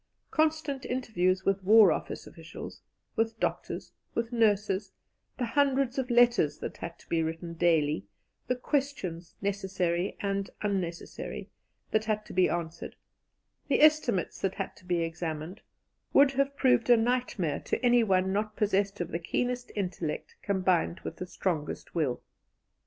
Constant interviews with War Office officials, with doctors, with nurses; the hundreds of letters that had to be written daily; the questions, necessary and unnecessary, that had to be answered; the estimates that had to be examined, would have proved a nightmare to anyone not possessed of the keenest intellect combined with the strongest will.